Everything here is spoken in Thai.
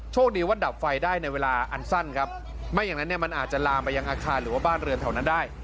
ดีว่าดับไฟได้ในเวลาอันสั้นครับไม่อย่างนั้นเนี่ยมันอาจจะลามไปยังอาคารหรือว่าบ้านเรือนแถวนั้นได้